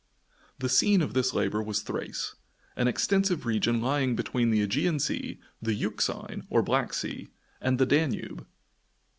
The scene of this labor was Thrace, an extensive region lying between the Ægean Sea, the Euxine or Black Sea, and the Danube.